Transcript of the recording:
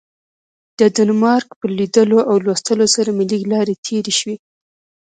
د ډنمارک په لیدلو او لوستلو سره مې لږې لاړې تیرې شوې.